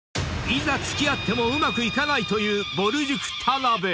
［いざ付き合ってもうまくいかないというぼる塾田辺］